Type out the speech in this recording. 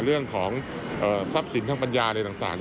เรื่องของทรัพย์สินทางปัญญาอะไรต่าง